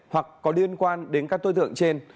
hoặc có liên quan đến các đối tượng trên